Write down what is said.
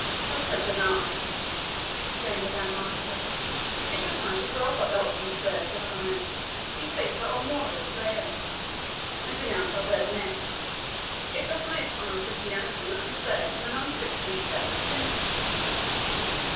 "By Saint Bernard!" exclaimed the Grand Master, "it were time then to throw off our belts and spurs, Sir Conrade, deface our armorial bearings, and renounce our burgonets, if the highest honour of Christianity were conferred on an unchristened Turk of tenpence."